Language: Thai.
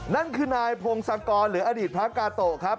นั่นคือนายพงศกรหรืออดีตพระกาโตะครับ